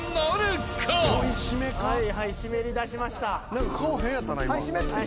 何か顔変やったな今。